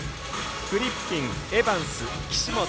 フリッピン、エバンス、岸本